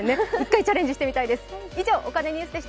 １回チャレンジしてみたいです。